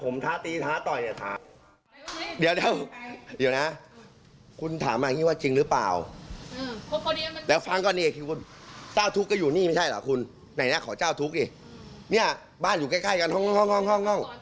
เนี่ยขอเจ้าทุกข์ดิเนี่ยบ้านอยู่ใกล้กันห้อง